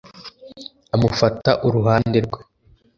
amufata uruhande rwe